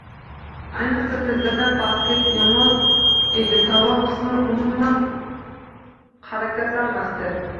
Ayniqsa, tizzadan pasti yomon edi, tovon qismi umuman harakatlanmasdi